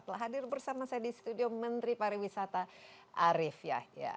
telah hadir bersama saya di studio menteri pariwisata arief yahya